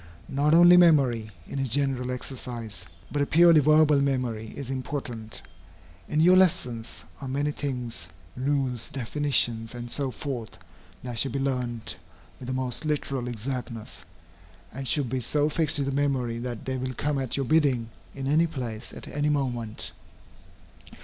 Not only memory, in its general exercise, but a purely verbal memory, is important. In your lessons, are many things, rules, definitions, and so forth, that should be learned with the most literal exactness, and should be so fixed in the memory that they will come at your bidding, in any place, at any moment.